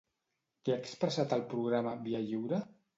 Què ha expressat al programa "Via lliure"?